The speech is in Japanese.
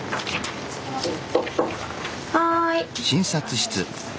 はい。